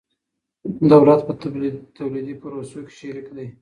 دولت په تولیدي پروسو کي شریک دی.